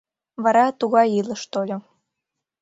Вара тугай илыш тольо